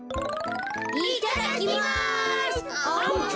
いただきます。